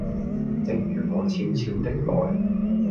正如我悄悄的來